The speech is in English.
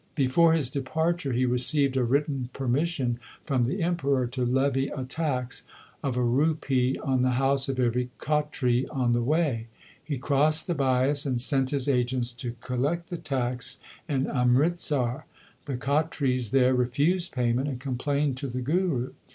Before his depar ture he received a written permission from the Emperor to levy a tax of a rupee on the house of every Khatri on the way. He crossed the Bias and sent his agents to collect the tax in Amritsar. The Khatris there refused payment and complained to the Guru.